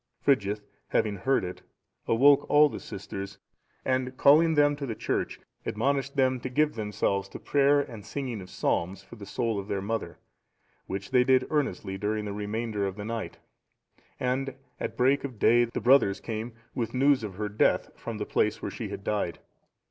Frigyth having heard it, awoke all the sisters, and calling them to the church, admonished them to give themselves to prayer and singing of psalms, for the soul of their mother; which they did earnestly during the remainder of the night; and at break of day, the brothers came with news of her death, from the place where she had died.